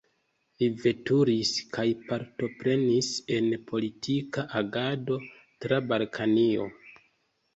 Li veturis kaj partoprenis en politika agado tra Balkanio.